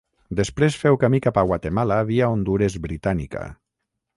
Després feu camí cap a Guatemala via Hondures Britànica.